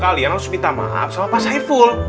kalian harus minta maaf sama pak saiful